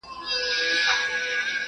دنيکونو يادګارونه ,